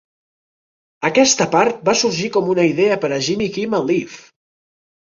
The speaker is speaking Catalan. Aquesta part va sorgir com una idea per a Jimmy Kimmel Live!